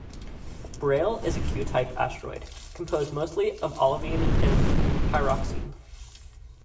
Braille is a Q-type asteroid, composed mostly of olivine and pyroxene.